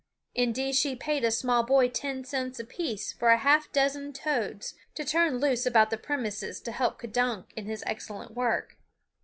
Indeed she paid a small boy ten cents apiece for a half dozen toads to turn loose about the premises to help K'dunk in his excellent work.